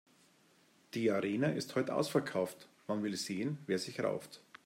Die Arena ist heut' ausverkauft, man will sehen, wer sich rauft.